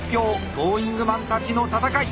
トーイングマンたちの戦い